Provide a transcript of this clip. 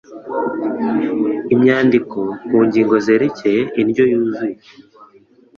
Imyandiko ku ngingo zerekeye indyo yuzuye